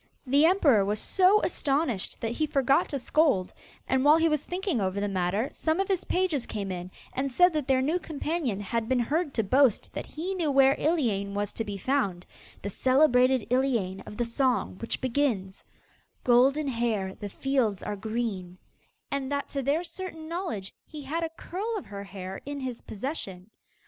The emperor was so astonished that he forgot to scold, and while he was thinking over the matter, some of his pages came in and said that their new companion had been heard to boast that he knew where Iliane was to be found the celebrated Iliane of the song which begins: 'Golden Hair The fields are green,' and that to their certain knowledge he had a curl of her hair in his possession.